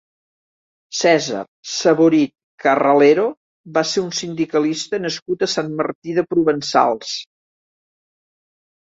Cèsar Saborit Carralero va ser un sindicalista nascut a Sant Martí de Provençals.